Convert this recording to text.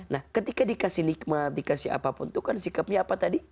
nah ketika dikasih nikmat dikasih apapun itu kan sikapnya apa tadi